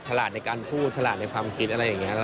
ฉลาดในการพูดฉลาดในความคิดอะไรอย่างนี้